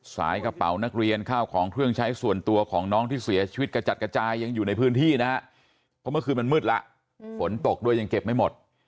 สายกระเป๋านักเรียนข้าวของเครื่องใช้ส่วนตัวของน้องที่เสียชีวิตกระจัดกระจายยังอยู่ในพื้นที่นะฮะเพราะเมื่อคืนมันมืดแล้วฝนตกด้วยยังเก็บไม่หมด